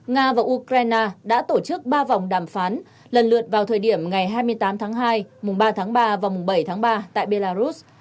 nga và ukraine đã tổ chức ba vòng đàm phán lần lượt vào thời điểm ngày hai mươi tám tháng hai mùng ba tháng ba và mùng bảy tháng ba tại belarus